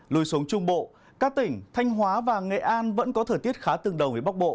lùi xuống trung bộ các tỉnh thanh hóa và nghệ an vẫn có thời tiết khá tương đồng với bắc bộ